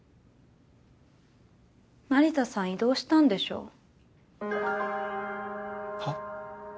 成田さん異動したんでしょ？はあ？